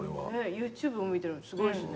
ＹｏｕＴｕｂｅも見てるのすごいっすね。